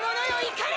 怒れ